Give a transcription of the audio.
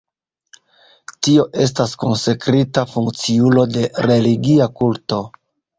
Tio estas konsekrita funkciulo de religia kulto.